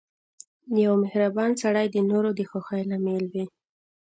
• یو مهربان سړی د نورو د خوښۍ لامل وي.